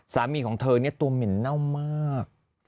สามีของเธอเนี่ยตัวเหม็นเน่ามาก